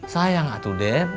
sayang atuh deb